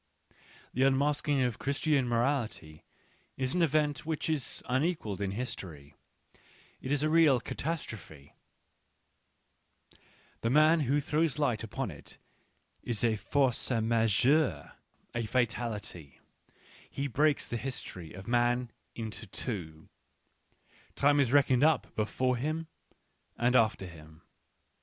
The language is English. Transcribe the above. The unmasking of Christian morality is an^event wEich iTlinequalled in history, it tea real catas trophe^l TEe" man who throws light upon it is a force majeure^ a fatality ; he breaks the history of man into j woT" Time^is reckoned up before him and after him.